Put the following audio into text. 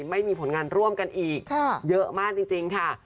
ไม่มีผลงานร่วมกันอีกเยอะมากจริงค่ะ